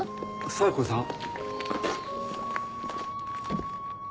冴子さん？